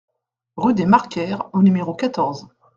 Rue des Marcaires au numéro quatorze